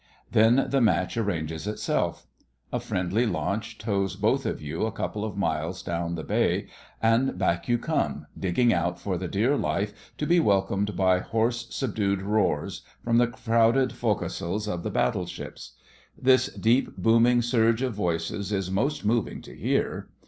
Then the match arranges itself. A friendly launch tows both of you a couple of miles down the bay, and back you come, digging out for the dear life, to be welcomed by hoarse subdued roars from the crowded foc'sles of the battleships. This deep booming surge of voices is most moving to hear.